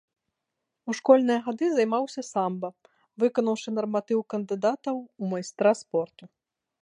У школьныя гады займаўся самба, выканаўшы нарматыў кандыдата ў майстра спорту.